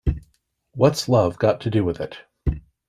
What's Love Got to Do with It?